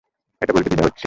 এটা বলতে দ্বিধা হচ্ছে।